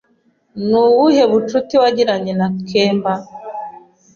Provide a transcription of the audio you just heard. Ni ubuhe bucuti wagiranye na kemba?